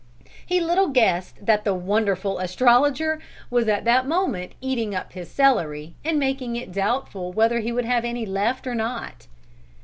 He little guessed that the "Wonderful Astrologer" was at that moment eating up his celery and making it doubtful whether he would have any left or not.